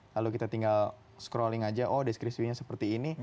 lalu kita tinggal scrolling aja oh deskrisinya seperti ini